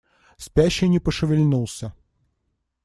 Спящий не пошевельнулся.